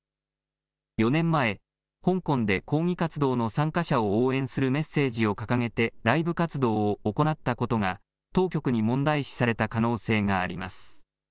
４年前、香港で抗議活動の参加者を応援するメッセージを掲げてライブ活動を行ったことが、当局に問題視された可能性があります。